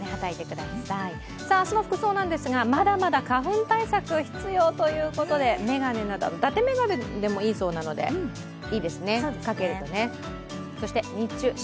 明日の服装なんですが、まだまだ花粉対策、必要ということで眼鏡など、ダテ眼鏡でもいいそうですので、かけるといいですね。